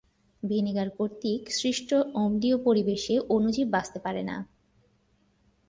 Vinegar কর্তৃক সৃষ্ট অম্লীয় পরিবেশে অণুজীব বাঁচতে পারেনা।